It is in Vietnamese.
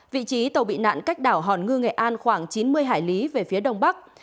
vị trí tàu bị nạn cách đảo hòn ngư nghệ an khoảng chín mươi hải lý về phía đông bắc